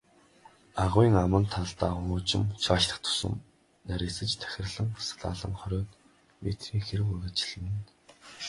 Агуй аман талдаа уужим, цаашлах тутам нарийсаж тахирлан салаалан, хориод метрийн хэр үргэлжилнэ.